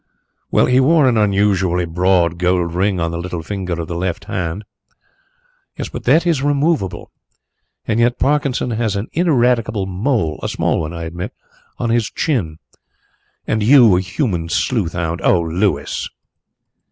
"Well, he wore an unusually broad gold ring on the little finger of the left hand." "But that is removable. And yet Parkinson has an ineradicable mole a small one, I admit on his chin. And you a human sleuth hound. Oh, Louis!"